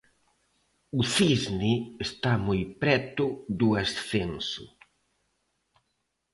O Cisne está moi preto do ascenso.